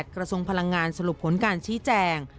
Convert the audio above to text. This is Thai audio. กระทรวงพลังงานสรุปผลการชี้แจง